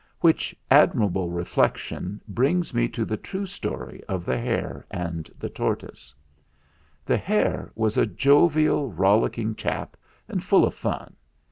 "Which admirable reflection brings me to the true story of the Hare and the Tortoise. "The hare was a jovial, rollicking chap, and full of fun.